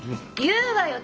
言うわよ！